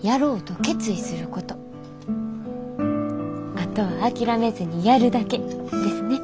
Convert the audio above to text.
あとは諦めずにやるだけ」ですね。